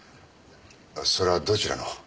それはどちらの？